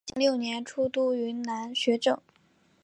嘉庆六年出督云南学政。